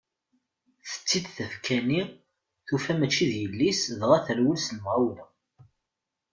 Tetti-d tafekka-nni, tufa mači d yelli-s dɣa terwel s lemɣawla.